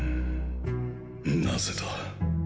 なぜだ？